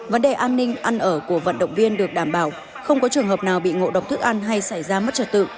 vấn đề an ninh ăn ở của vận động viên được đảm bảo không có trường hợp nào bị ngộ độc thức ăn hay xảy ra mất trật tự